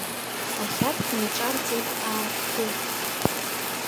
Ахьархь инаҿарҵеит аа-қды.